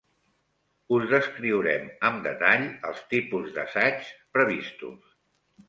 Us descriurem amb detall els tipus d'assaigs previstos.